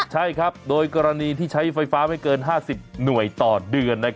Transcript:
ใช่ครับโดยกรณีที่ใช้ไฟฟ้าไม่เกิน๕๐หน่วยต่อเดือน